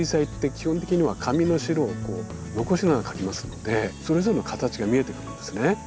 基本的には紙の白を残しながら描きますのでそれぞれの形が見えてくるんですね。